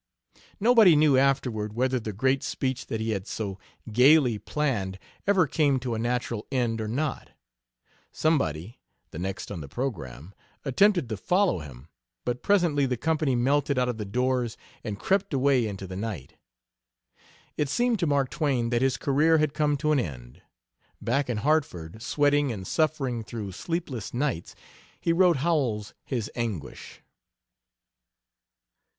Nobody knew afterward whether the great speech that he had so gaily planned ever came to a natural end or not. Somebody the next on the program attempted to follow him, but presently the company melted out of the doors and crept away into the night. It seemed to Mark Twain that his career had come to an end. Back in Hartford, sweating and suffering through sleepless nights, he wrote Howells his anguish.